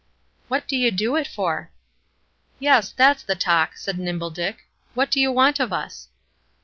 "What do you do it for?" "Yes, that's the talk," said Nimble Dick. "What do you want of us?"